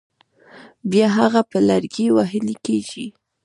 بیا هغه په لرګي وهل کېږي.